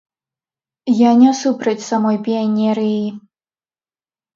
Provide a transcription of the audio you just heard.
Я не супраць самой піянерыі.